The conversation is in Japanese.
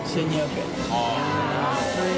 安い！